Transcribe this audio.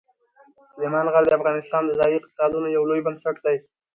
سلیمان غر د افغانستان د ځایي اقتصادونو یو لوی بنسټ دی.